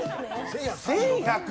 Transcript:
１１００！？